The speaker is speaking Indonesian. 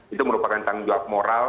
itu merupakan tanggung jawab moral